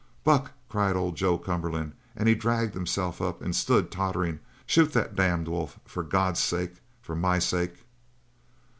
"Buck," cried old Joe Cumberland and he dragged himself up and stood tottering. "Shoot the damned wolf for God's sake for my sake!"